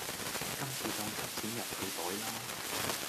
今次當塞錢入佢袋啦